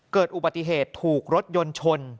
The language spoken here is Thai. เกิดอุบัติเหตุถูกรถยนต์ชน